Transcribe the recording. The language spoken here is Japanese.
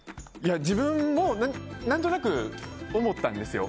自分も何となく思ったんですよ。